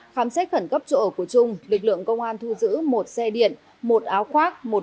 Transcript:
khám xét khẩn cấp chỗ ở của trung lực lượng công an thu giữ một xe điện một áo khoác